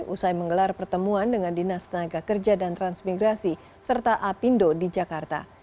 usai menggelar pertemuan dengan dinas tenaga kerja dan transmigrasi serta apindo di jakarta